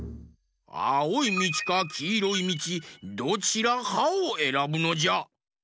あおいみちかきいろいみちどちらかをえらぶのじゃ。